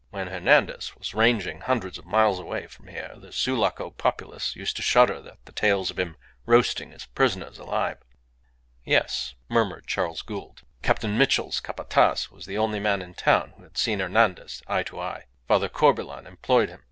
When Hernandez was ranging hundreds of miles away from here the Sulaco populace used to shudder at the tales of him roasting his prisoners alive." "Yes," murmured Charles Gould; "Captain Mitchell's Capataz was the only man in the town who had seen Hernandez eye to eye. Father Corbelan employed him.